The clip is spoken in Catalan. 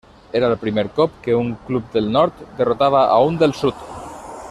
Era el primer cop que un club del nord derrotava a un del sud.